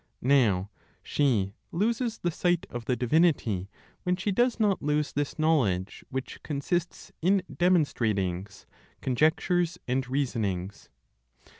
Now she loses the sight of the divinity when she does not lose this knowledge which consists in demonstratings, conjectures and reasonings.